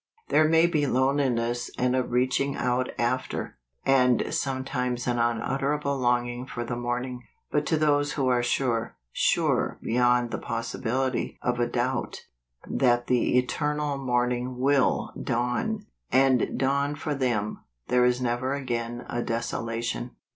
18. There may be loneliness and a reach¬ ing out after, and sometimes an unutterable longing for the morning, but to those who are sure, sure beyond the possibility of a doubt, that the eternal morning will dawn, and dawn for them, there is never again a desolation.